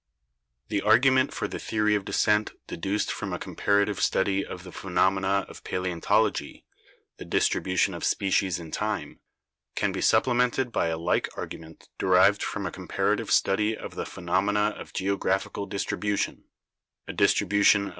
EVIDENCES OF ORGANIC EVOLUTION 175 The argument for the theory of descent deduced from a comparative study of the phenomena of paleontology — the distribution of species in time — can be supplemented by a like argument derived from a comparative study of the phenomena of geographical distribution, a distribution of Fig.